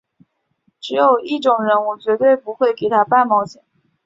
只有一种人我绝对不会给他半毛钱